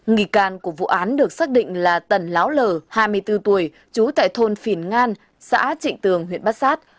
nghi can của vụ án được xác định là tần láo l hai mươi bốn tuổi trú tại thôn phìn ngan xã trịnh tường huyện bát sát